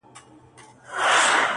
څلوېښتم کال دی,